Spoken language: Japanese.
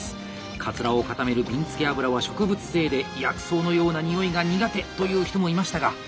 かつらを固めるびんつけ油は植物性で薬草のような臭いが苦手という人もいましたが今は無香料です。